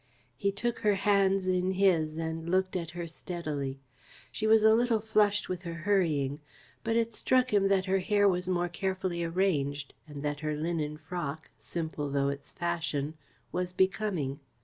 He took her hands in his and looked at her steadily. She was a little flushed with her hurrying, but it struck him that her hair was more carefully arranged and that her linen frock, simple though its fashion, was becoming.